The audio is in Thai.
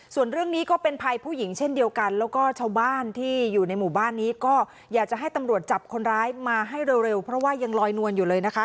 ส่วนเรื่องนี้ก็เป็นภัยผู้หญิงเช่นเดียวกันแล้วก็ชาวบ้านที่อยู่ในหมู่บ้านนี้ก็อยากจะให้ตำรวจจับคนร้ายมาให้เร็วเพราะว่ายังลอยนวลอยู่เลยนะคะ